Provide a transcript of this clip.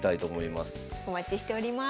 お待ちしております。